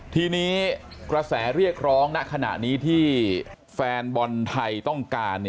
ทีนี้กระแสเรียกร้องณขณะนี้ที่แฟนบอลไทยต้องการ